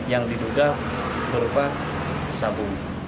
yang diduga berupa sabu